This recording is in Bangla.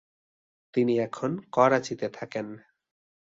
তিনি এখন করাচিতে থাকেন।